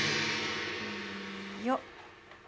よっ。